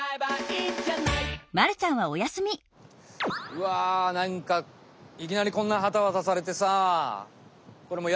うわなんかいきなりこんな旗わたされてさ。